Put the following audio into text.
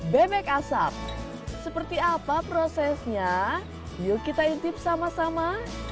bebek asap seperti apa prosesnya yuk kita intip sama sama